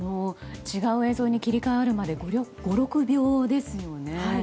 違う映像に切り替わるまで５６秒ですよね。